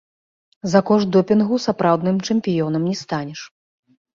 За кошт допінгу сапраўдным чэмпіёнам не станеш.